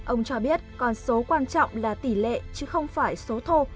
ông cho biết con số quan trọng là tỷ lệ chứ không phải số thô